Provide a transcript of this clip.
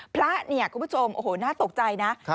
พระเนี่ยคุณผู้ชมโอ้โหน่าตกใจนะ